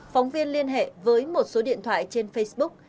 phóng viên liên hệ với một số điện thoại trên facebook